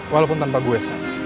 walaupun tanpa gue